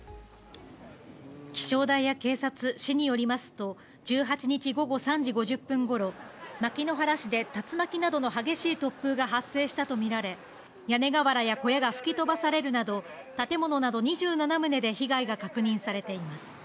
気象台や警察、市によりますと、１８日午後３時５０分ごろ、牧之原市で竜巻などの激しい突風が発生したと見られ、屋根瓦や小屋が吹き飛ばされるなど、建物など２７棟で被害が確認されています。